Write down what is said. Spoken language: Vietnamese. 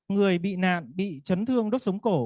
người bị nạn bị chấn thương đốt sống cổ